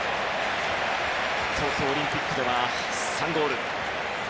東京オリンピックでは３ゴール。